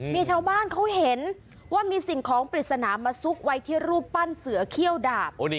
มีชาวบ้านเขาเห็นว่ามีสิ่งของปริศนามาซุกไว้ที่รูปปั้นเสือเขี้ยวดาบ